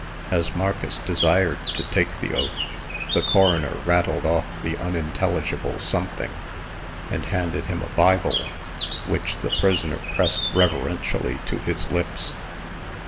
As Marcus desired to take the oath, the coroner rattled off the unintelligible something, and handed him a Bible, which the prisoner pressed reverentially to his lips.